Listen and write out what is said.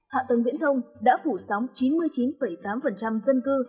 hạ tầng viễn thông đã phủ sóng chín mươi chín tám dân cư